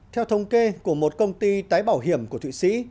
theo thống kê của một công ty tái bảo hiểm của thụy sĩ